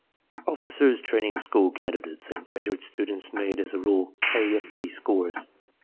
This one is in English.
Officers' training school candidates and graduate students made as a rule A and B scores.